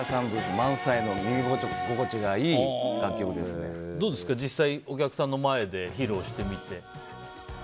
満載のどうですか、実際お客さんの前で披露してみて。